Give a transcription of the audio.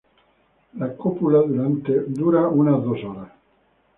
La cópula dura unas dos horas.